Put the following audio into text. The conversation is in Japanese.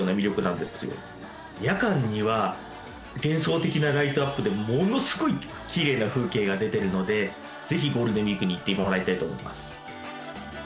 夜間には幻想的なライトアップでものすごいきれいな風景が出てるのでぜひゴールデンウィークに行ってもらいたいと思います。